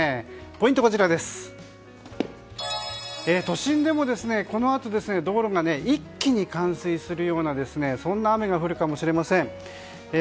ポイントは都心でもこのあと道路が一気に冠水するような雨が降るかもしれません。